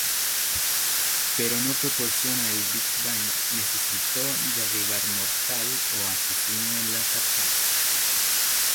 Pero no proporciona el Big Bang necesitó derribar Mortal o Asesino en las arcades.